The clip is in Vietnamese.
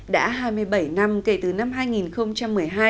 đã hai mươi bảy năm kể từ năm hai nghìn một mươi hai